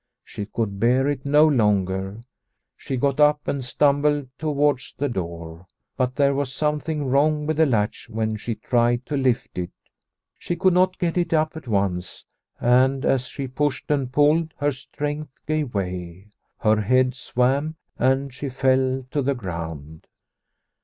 She could bear it no longer. She got up and stumbled towards the door. But there was something wrong with the latch when she tried to lift it. She could not get it up at once, and as she pushed and pulled her strength gave way, her head swam, and she fell to the ground.